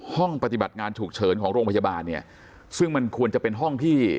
ห้องปฏิบัติงานฉุกเฉินของโรงพยาบาลเนี่ยซึ่งมันควรจะเป็นห้องที่